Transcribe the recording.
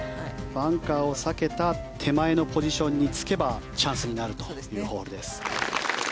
バンカーを避けた手前のポジションにつけばチャンスになるというホールです。